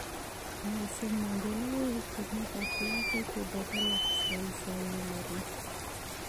خو منډېلا وویل چې زما په اخلاقو کې غچ اخیستل ځای نه لري.